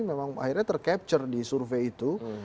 memang akhirnya tercapture di survei itu